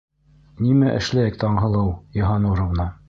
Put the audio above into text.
Нимә эшләйек, Таңһылыу Йыһаннуровна?